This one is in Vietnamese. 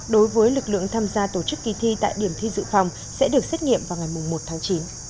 đối với lực lượng tham gia tổ chức kỳ thi tại điểm thi dự phòng sẽ được xét nghiệm vào ngày một tháng chín